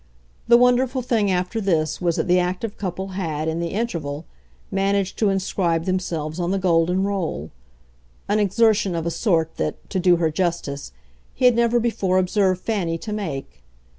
The wonderful thing, after this, was that the active couple had, in the interval, managed to inscribe themselves on the golden roll; an exertion of a sort that, to do her justice, he had never before observed Fanny to make.